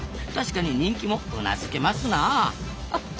確かに人気もうなずけますなあ。